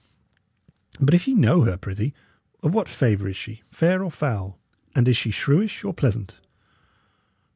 But if ye know her, prithee, of what favour is she? fair or foul? And is she shrewish or pleasant?"